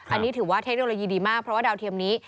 อันนี้ถือว่าเทคโนโลยีดีมากเพราะว่าดาวเทียมนี้